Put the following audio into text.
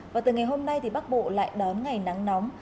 và từ ngày hôm nay thì bắc bộ lại đón ngày nắng nóng